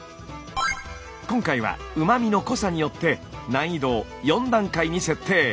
今回はうま味の濃さによって難易度を４段階に設定。